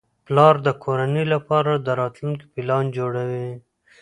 پلار د کورنۍ لپاره د راتلونکي پلان جوړوي